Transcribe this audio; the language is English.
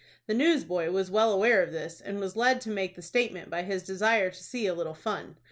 The newsboy was well aware of this, and was led to make the statement by his desire to see a little fun.